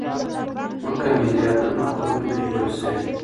ځمکه ميلياردونو کلونو کې جوړه شوې.